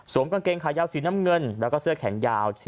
กางเกงขายาวสีน้ำเงินแล้วก็เสื้อแขนยาว